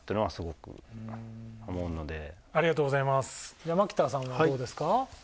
じゃあ牧田さんはどうですか？